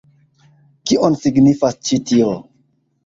Kion signifas ĉi tio?